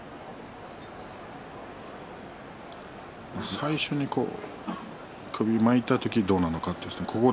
最初に首を巻いた時にどうなのか